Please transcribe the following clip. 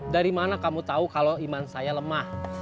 dari mana kamu tahu kalau iman saya lemah